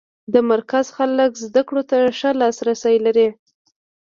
د مرکز خلک زده کړو ته ښه لاس رسی لري.